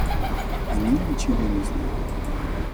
Они ничего не знают.